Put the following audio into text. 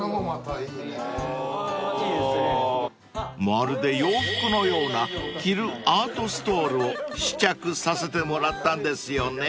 ［まるで洋服のような着るアートストールを試着させてもらったんですよね］